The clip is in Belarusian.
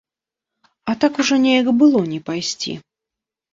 А так ужо неяк было не пайсці.